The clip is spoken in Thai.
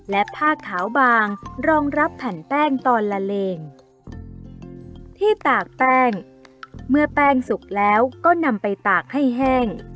และผ้าขาวบางรองรับแผ่นแป้งตอนละเลงที่ตากแป้งเมื่อแป้งสุกแล้วก็นำไปตากให้แห้ง